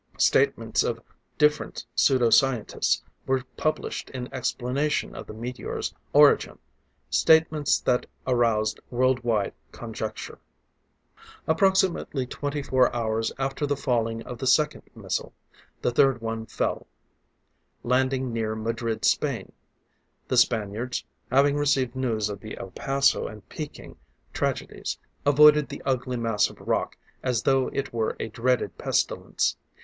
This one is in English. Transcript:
Statements of different pseudo scientists were published in explanation of the meteor's origin, statements that aroused world wide conjecture. Approximately twenty four hours after the falling of the second missile, the third one fell, landing near Madrid, Spain. The Spaniards, having received news of the El Paso and Peking tragedies, avoided the ugly mass of rock as though it were a dreaded pestilence.